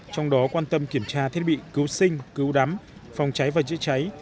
trong đó quan tâm kiểm tra thiết bị cứu sinh cứu đắm phòng cháy và chữa cháy